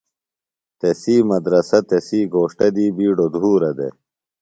تسی مدرسہ تسی گھوݜٹہ دی بِیڈوۡ دُھورہ دےۡ۔